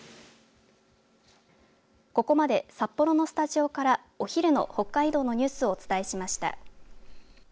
ここまで札幌のスタジオからお昼の北海道のニュースをお伝えしました。